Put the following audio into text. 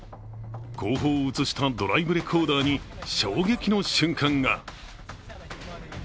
後方を映したドライブレコーダーに衝撃の瞬間が。